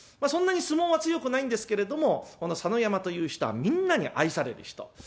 そんなに相撲は強くないんですけれどもこの佐野山という人はみんなに愛される人。